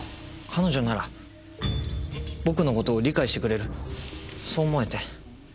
彼女なら僕のことを理解してくれるそう思えて。